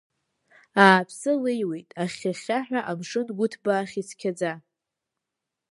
Аааԥсы леиуеит ахьхьа-хьхьаҳәа амшын гәыҭбаахь ицқьаӡа.